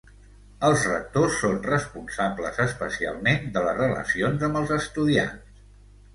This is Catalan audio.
Els rectors són responsables especialment de les relacions amb els estudiants.